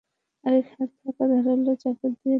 আরেক হাতে থাকা ধারালো চাকু দিয়ে তার গলা কেটে হত্যা করা হয়।